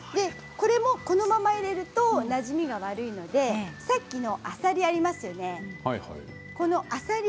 このまま入れるとなじみが悪いのでさっきのあさりがありますよね。